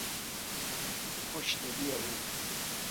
خوشدلی او